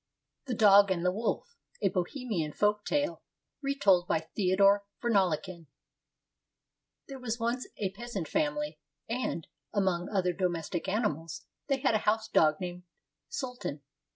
THE DOG AND THE WOLF A BOHEMIAN FOLK TALE RETOLD BY THEODOR VERNALEKEN There was once a peasant family, and, among other domestic animals, they had a house dog named Sultan.